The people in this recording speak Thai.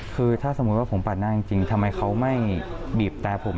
คือถ้าสมมุติว่าผมปัดหน้าจริงทำไมเขาไม่บีบแต่ผม